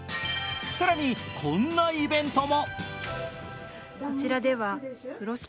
更に、こんなイベントも。